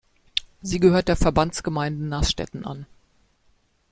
Sie gehört der Verbandsgemeinde Nastätten an.